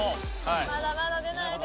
まだまだ出ないで。